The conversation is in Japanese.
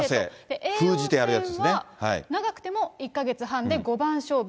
叡王戦は長くても１か月半で五番勝負。